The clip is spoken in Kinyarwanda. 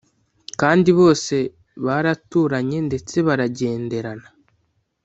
kandi bose baraturanye ndetse baragenderana